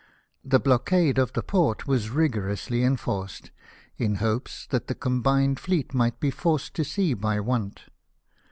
The blockade of the port was rigorously enforced, in hopes that the combined fleet might be forced to sea by want.